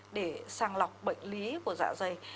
để sàng lọc bệnh lý của dạ dày